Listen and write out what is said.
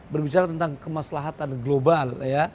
berbicara tentang kemaslahatan global